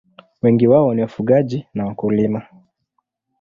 Wengi wao ni wafugaji na wakulima.